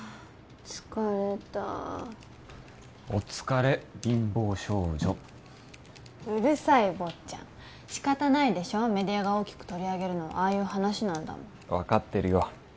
疲れたお疲れ貧乏少女うるさい坊ちゃんしかたないでしょメディアが大きく取り上げるのはああいう話なんだもん分かってるよ